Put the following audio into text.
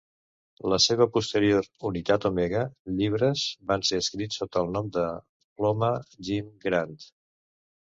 La seva posterior "unitat Omega" llibres van ser escrits sota el nom de ploma Jim Grand.